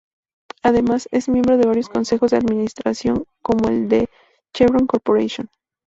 Además, es miembro de varios consejos de administración, como el de Chevron Corporation.